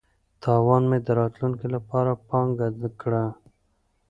تاوان مې د راتلونکي لپاره پانګه کړه.